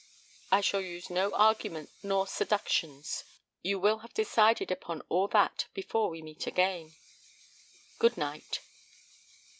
I shall use no arguments nor seductions. You will have decided upon all that before we meet again. Good night."